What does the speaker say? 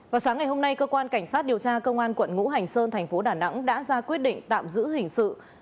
vào sáng ngày hôm nay cơ quan cảnh sát điều tra công an quận ngũ hành sơn thành phố đà nẵng đã ra quyết định tạm giữ hình sự